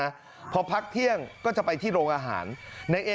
เขาเล่าบอกว่าเขากับเพื่อนเนี่ยที่เรียนกรสนด้วยกันเนี่ยไปสอบที่โรงเรียนปลูกแดงใช่ไหม